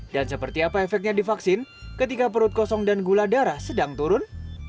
dan seperti apa efeknya divaksin ketika perut kosong dan gula darah sedang turun